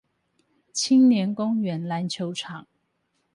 青年公園籃球場